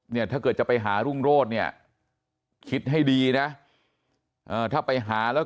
ถ้าเกิดจะไปหารุ่งโรธเนี่ยคิดให้ดีนะถ้าไปหาแล้ว